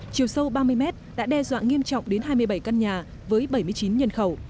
chiều sâu ba mươi mét đã đe dọa nghiêm trọng đến hai mươi bảy căn nhà với bảy mươi chín nhân khẩu